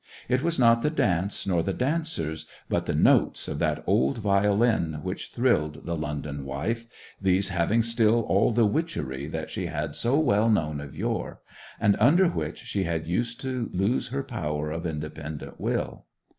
It was not the dance nor the dancers, but the notes of that old violin which thrilled the London wife, these having still all the witchery that she had so well known of yore, and under which she had used to lose her power of independent will.